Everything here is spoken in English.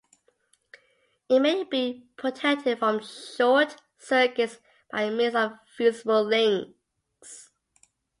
It may be protected from short circuits by means of fusible links.